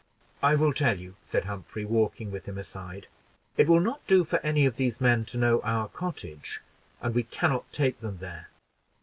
"I will tell you," said Humphrey, walking with him aside. "It will not do for any of these men to know our cottage, and we can not take them there.